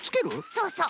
そうそう！